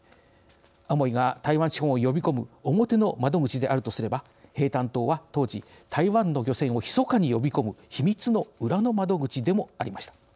アモイが台湾資本を呼び込む表の窓口であるとすれば平潭島は当時台湾の漁船をひそかに呼び込む秘密の裏の窓口でもありました。